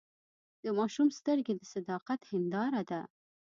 د ماشوم سترګې د صداقت هنداره ده.